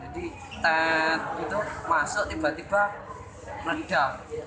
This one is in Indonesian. jadi tet gitu masuk tiba tiba reda